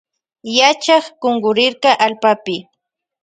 Yachak kunkurirka allpapi.